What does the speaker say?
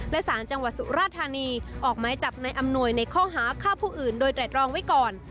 และสารจังหวัดสุราธานีออกไม้จับนายอำนวยในข้อหาฆ่าผู้อื่นโดยไตรตรองไว้ก่อน